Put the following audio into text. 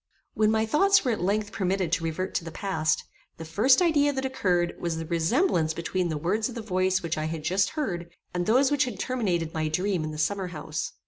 When my thoughts were at length permitted to revert to the past, the first idea that occurred was the resemblance between the words of the voice which I had just heard, and those which had terminated my dream in the summer house.